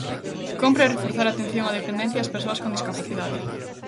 Cómpre reforzar a atención á dependencia e ás persoas con discapacidade.